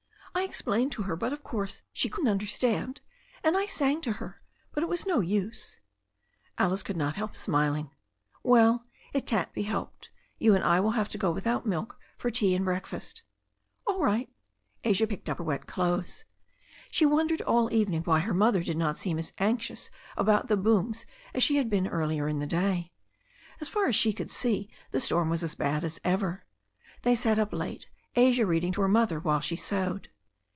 I explained to her, but, of course, she couldn't understand. And I sang to her, but it was no use." Alice could not help smiling. "Well, it can't be helped. You and I will have to go without milk for tea and breakfast." "All right" Asia picked up her wet clothes. She wondered all the evening why her mother did not seem as anxious about the booms as she had been earlier in the day. As far as she could see, the storm was as bad as ever. They sat up late, Asia reading to her mother while she sewed.